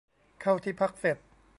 เข้าที่พักเสร็จ